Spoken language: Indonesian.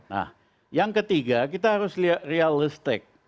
nah yang ketiga kita harus realistic